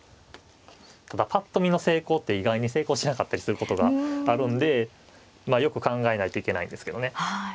ただぱっと見の成功って意外に成功しなかったりすることがあるんでよく考えないといけないですけどね。